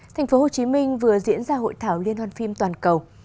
thành phố hồ chí minh vừa diễn ra hội thảo liên hoàn phim toàn cầu